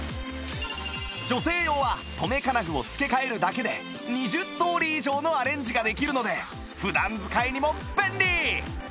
女性用は留め金具を付け替えるだけで２０通り以上のアレンジができるので普段使いにも便利！